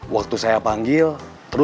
gak usah dibahas dulu